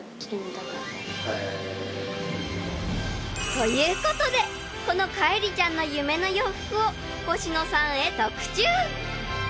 ［ということでこの海璃ちゃんの夢の洋服をコシノさんへ特注！］